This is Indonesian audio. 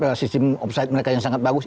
dengan sistem upside mereka yang sangat bagus